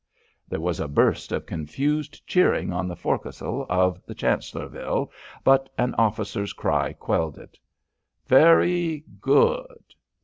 There was a burst of confused cheering on the forecastle of the Chancellorville, but an officer's cry quelled it. "Very good.